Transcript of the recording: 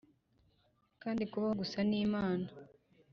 kandi kubaho gusa ni imana